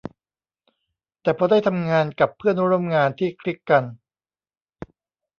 แต่พอได้ทำงานกับเพื่อนร่วมงานที่คลิกกัน